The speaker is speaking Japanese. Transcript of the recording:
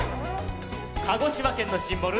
鹿児島県のシンボル